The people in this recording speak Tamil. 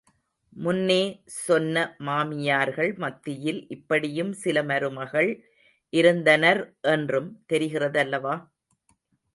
முன்னே சொன்ன மாமியார்கள் மத்தியில் இப்படியும் சில மருமகள் இருந்தனர் என்றும் தெரிகிறதல்லவா?